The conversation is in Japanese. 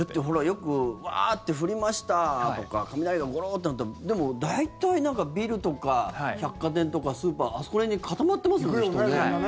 よくワーッて降りましたとか雷がゴローッと鳴ったとかでも、大体ビルとか百貨店とかスーパーあそこら辺に固まってますよね人ね。